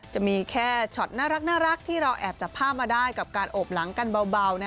จะมีแค่ช็อตน่ารักที่เราแอบจับภาพมาได้กับการโอบหลังกันเบา